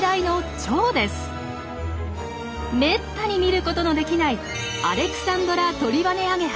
めったに見ることのできないアレクサンドラトリバネアゲハ。